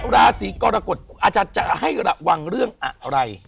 ราศีกรกฎอาจารย์จะให้ระวังเรื่องอะไร